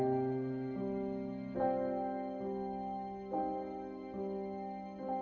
dan status ini tidak mengubah harapan keluarga untuk melakukan pencarian